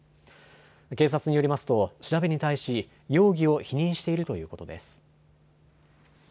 警察によりますと調べに対し容疑を否認しているということです。